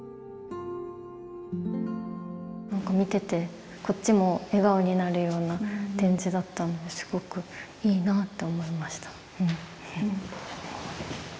何か見ててこっちも笑顔になるような展示だったのですごくいいなと思いました。